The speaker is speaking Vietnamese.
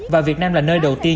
và việt nam là nơi đầu tiên